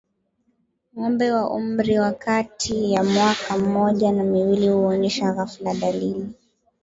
Ng'ombe wa umri wa kati ya mwaka mmoja na miwili huonyesha ghafla dalili